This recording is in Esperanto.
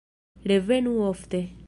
Revenu ofte!